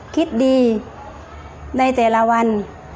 คิดดีในแต่ละวัน